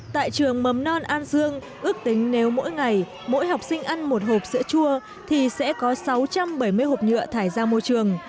tại trường mầm non an dương ước tính nếu mỗi ngày mỗi học sinh ăn một hộp sữa chua thì sẽ có sáu trăm bảy mươi hộp nhựa thải ra môi trường